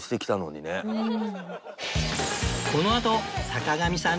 このあと坂上さん